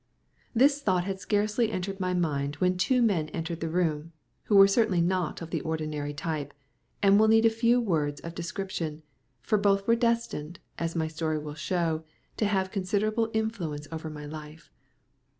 This thought had scarcely entered my mind when two men entered the room, who were certainly not of the ordinary type, and will need a few words of description; for both were destined, as my story will show, to have considerable influence over my life.